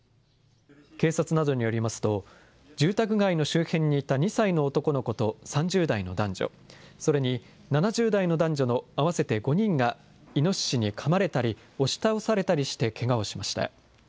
警察などによりますと、住宅街の周辺にいた２歳の男の子と３０代の男女、それに７０代の男女の合わせて５人がイノシシにかまれたり、押し倒されたりしてけがをしました。